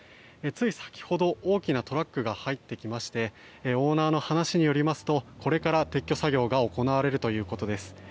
つい先ほど大きなトラックが入ってきましてオーナーの話によりますとこれから撤去作業が行われるということです。